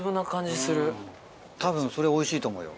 たぶんそれおいしいと思うよ。